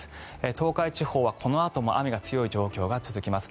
東海地方はこのあとも雨が強い状況が続きます。